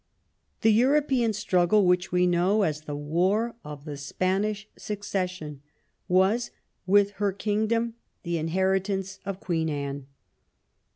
The European struggle which we know as the War of the Spanish Succession was, with her kingdom, the inheritance of Queen Anne.